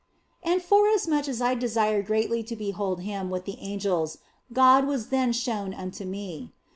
And forasmuch as I desired greatly to behold Him with the angels, God was then shown unto me.